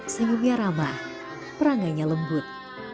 senyumnya ramah perangainya lembut